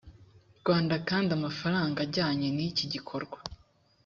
rwanda kandi amafaranga ajyanye n iki gikorwa